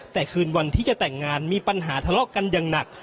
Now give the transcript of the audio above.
แต่คืนวันที่จะแต่งงานมีปัญหาทะเลาะกันอย่างหนัก